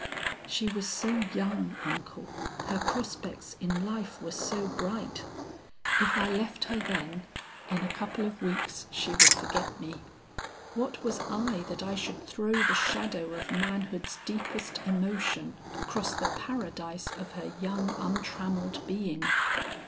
She was so young, uncle, her prospects in life were so bright; if I left her then, in a couple of weeks she would forget me. What was I that I should throw the shadow of manhood's deepest emotion across the paradise of her young untrammelled being.